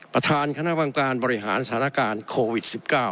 ประธานคณะบังการบริหารสถานการณ์โควิด๑๙